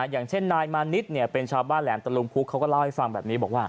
อย่างเช่นนายมานิดเป็นชาวบ้านแหลมตะลุมพุกเขาก็เล่าให้ฟังแบบนี้บอกว่า